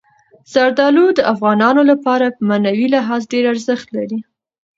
زردالو د افغانانو لپاره په معنوي لحاظ ډېر ارزښت لري.